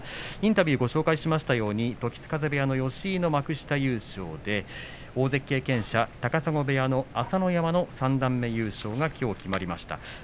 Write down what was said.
インタビューをご紹介しましたように時津風部屋の吉井が幕下優勝で大関経験者、高砂部屋の朝乃山が三段目優勝が決まりました。